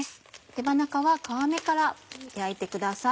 手羽中は皮目から焼いてください。